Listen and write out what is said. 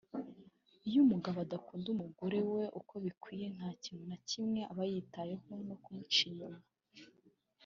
Iyo umugabo adakunda umugore we uko bikwiye nta kintu na kimwe abayitayeho no kumuca inyuma